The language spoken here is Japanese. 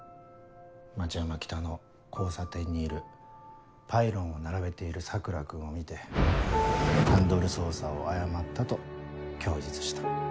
町山北の交差点にいるパイロンを並べている桜君を見てハンドル操作を誤ったと供述した。